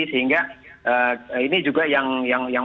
sehingga ini juga yang